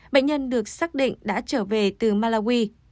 bệnh nhân được xác định đã trở về từ malawi